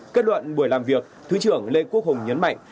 kết luận buổi làm việc thứ trưởng lê quốc hùng nhấn mạnh